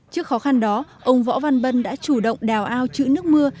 trước khó khăn đó ông võ văn bân đã chủ động đào ao chữ nước mưa